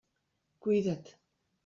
Cuida't.